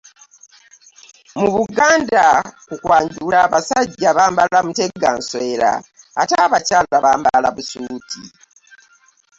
mu buganda ku kwanjula abasajja basajja bambala mutegansowera ate abakyala bambala busuuti.